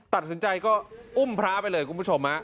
ตัดสินใจก็อุ้มพระไปเลยคุณผู้ชม